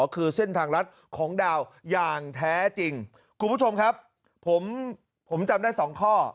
คือเส้นทางรัฐของดาวอย่างแท้จริงคุณผู้ชมครับผมผมจำได้สองข้อ